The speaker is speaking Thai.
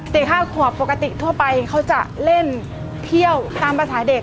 ๕ขวบปกติทั่วไปเขาจะเล่นเที่ยวตามภาษาเด็ก